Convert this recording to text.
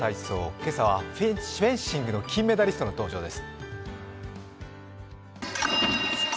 今朝はフェンシングの金メダリストの登場です。